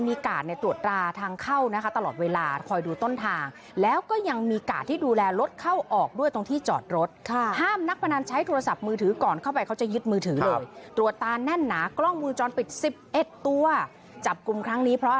มีกาดในตรวจตาทางเข้านะค่ะ